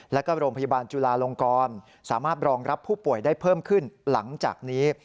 แล้วก็โรงพยาบาลจุลาลงกรสามารถรองรับผู้ป่วยได้เพิ่มขึ้นหลังจากนี้